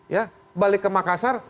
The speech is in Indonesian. ya balik ke makassar